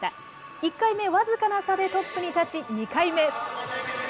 １回目、僅かな差でトップに立ち、２回目。